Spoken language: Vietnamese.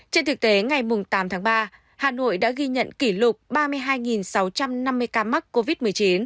trên thực tế ngày tám tháng ba hà nội đã ghi nhận kỷ lục ba mươi hai sáu trăm năm mươi ca mắc covid một mươi chín